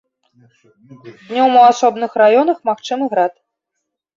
Днём у асобных раёнах магчымы град.